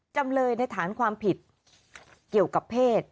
จำเลยในฐานความผิดเกี่ยวกับเพศ